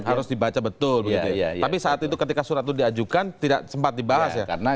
harus dibaca betul tapi saat itu ketika surat itu diajukan tidak sempat dibahas ya